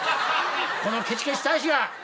このケチケチ大使が！